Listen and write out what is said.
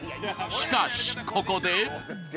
しかしここで。